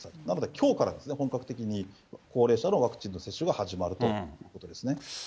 なのできょうからですね、本格的に高齢者のワクチンの接種が始まるということですね。